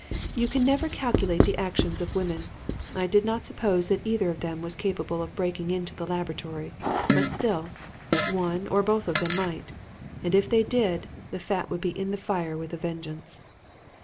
You can never calculate the actions of women. I did not suppose that either of them was capable of breaking into the laboratory. But still, one or both of them might. And if they did, the fat would be in the fire with a vengeance.